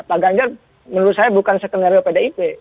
pak ganjar menurut saya bukan skenario pdip